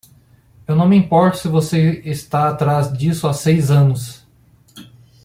Eu não me importo se você está atrás disso há seis anos!